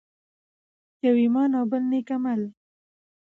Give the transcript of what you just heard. يو ایمان او بل نیک عمل.